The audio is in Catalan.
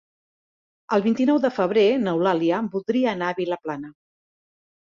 El vint-i-nou de febrer n'Eulàlia voldria anar a Vilaplana.